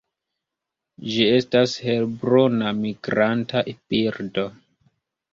Ĝi estas helbruna migranta birdo.